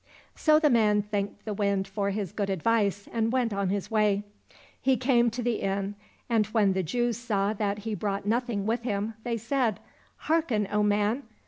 So the man thanked the Wind for his good advice, and went on his way. He came to the inn, and when the Jews saw that he brought nothing with him they said, " Hearken, O man